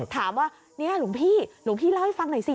ถามว่าเนี่ยหลวงพี่หลวงพี่เล่าให้ฟังหน่อยสิ